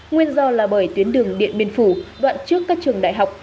nguyên do là bởi tuyến đường điện biên phủ đoạn trước các trường đại học